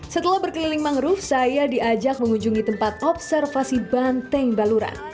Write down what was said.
setelah berkeliling mangrove saya diajak mengunjungi tempat observasi banteng baluran